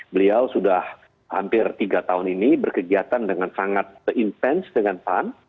beliau sudah hampir tiga tahun ini berkegiatan dengan sangat intens dengan pan